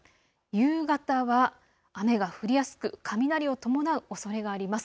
夕方は雨が降りやすく雷を伴うおそれがあります。